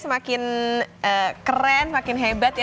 semakin keren makin hebat